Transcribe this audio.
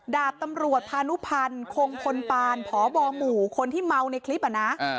ดาบตำรวจพานุพันธ์คงพลปานพบหมู่คนที่เมาในคลิปอ่ะนะ